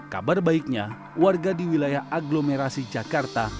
kabar baiknya warga di wilayah agglomerasi jakarta